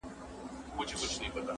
o د بل کټ تر نيمي شپې دئ.